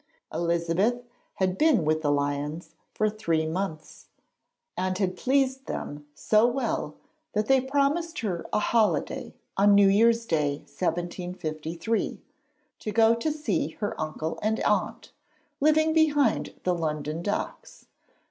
Elizabeth had been with the Lyons for three months, and had pleased them so well that they promised her a holiday on New Year's Day 1753, to go to see her uncle and aunt, living behind the London Docks.